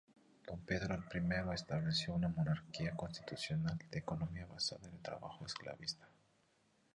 Don Pedro I estableció una monarquía constitucional, de economía basada en el trabajo esclavista.